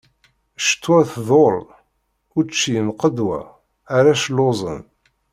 Ccetwa tḍul, učči yenqedwa, arrac lluẓen.